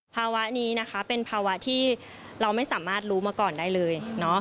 ภาวะนี้นะคะเป็นภาวะที่เราไม่สามารถรู้มาก่อนได้เลย